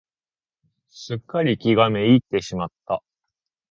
すっかり気が滅入ってしまった。